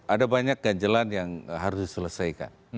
ada banyak ganjelan yang harus diselesaikan